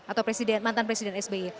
atau mantan presiden sby